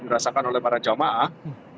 dirasakan oleh para jemaah